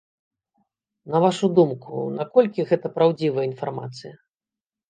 На вашу думку, наколькі гэта праўдзівая інфармацыя?